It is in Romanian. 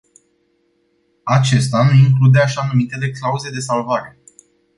Acesta nu include așa numitele clauze de salvare.